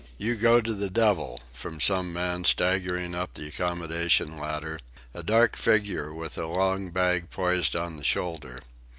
You go to the devil!" from some man staggering up the accommodation ladder a dark figure, with a long bag poised on the shoulder.